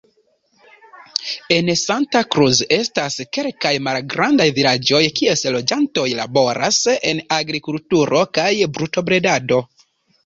En Santa Cruz estas kelkaj malgrandaj vilaĝoj, kies loĝantoj laboras en agrikulturo kaj brutobredado.